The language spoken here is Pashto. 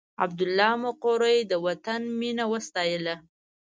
عبدالله مقري د وطن مینه وستایله.